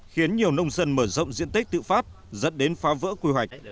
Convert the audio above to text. khiến nhiều nông dân mở rộng diện tích tự phát dẫn đến phá vỡ quy hoạch